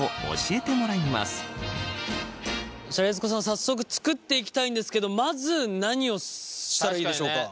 早速作っていきたいんですけどまず何をしたらいいでしょうか？